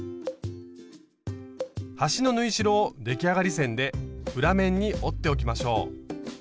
端の縫い代を出来上がり線で裏面に折っておきましょう。